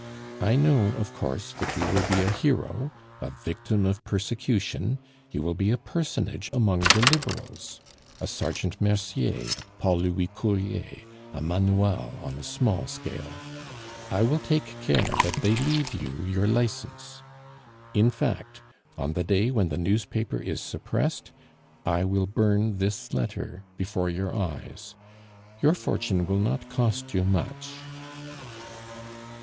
... I know, of course, that you will be a hero, a victim of persecution; you will be a personage among the Liberals a Sergeant Mercier, a Paul Louis Courier, a Manual on a small scale. I will take care that they leave you your license. In fact, on the day when the newspaper is suppressed, I will burn this letter before your eyes. ... Your fortune will not cost you much."